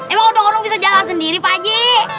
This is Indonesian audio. emang odong odong bisa jalan sendiri pak haji